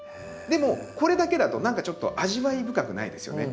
でもこれだけだと何かちょっと味わい深くないですよね。